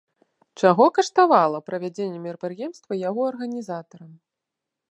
Чаго каштавала правядзенне мерапрыемства яго арганізатарам?